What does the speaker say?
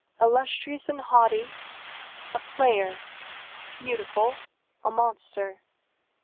Illustrious and haughty, a player; beautiful, a monster.